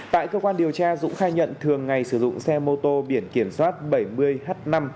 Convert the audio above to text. tại cơ quan điều tra dũng khai nhận thường ngày sử dụng xe mô tô biển kiểm soát bảy mươi h năm hai nghìn bốn trăm một mươi bốn